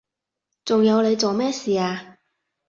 仲有你做咩事啊？